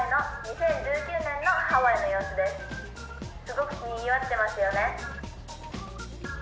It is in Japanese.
すごくにぎわってますよね。